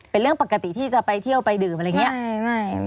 เป็นเรื่องปกติที่จะไปเที่ยวไปดื่มอะไรอย่างนี้